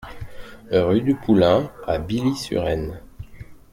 Rue du Poulain à Billy-sur-Aisne